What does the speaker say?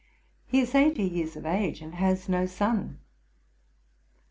He is cighty years of age, and has no son.